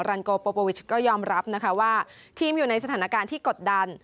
ันโกโปโปวิชก็ยอมรับนะคะว่าทีมอยู่ในสถานการณ์ที่กดดัน